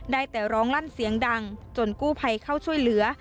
ได้แต่ร้องลั่นเสียงดังจนกู้ภัยเข้าช่วยเหลือ